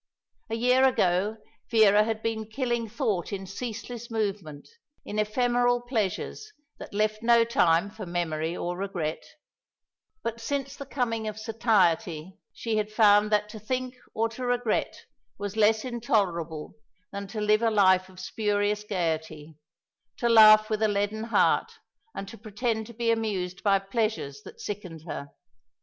A year ago Vera had been killing thought in ceaseless movement, in ephemeral pleasures that left no time for memory or regret, but since the coming of satiety she had found that to think or to regret was less intolerable than to live a life of spurious gaiety, to laugh with a leaden heart, and to pretend to be amused by pleasures that sickened her.